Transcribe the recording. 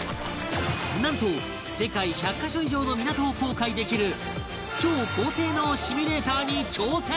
なんと世界１００カ所以上の港を航海できる超高性能シミュレーターに挑戦！